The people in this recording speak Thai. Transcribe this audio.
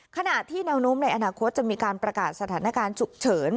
ขณะที่แนวโน้มในอนาคตจะมีการประกาศสถานการณ์ฉุกเฉิน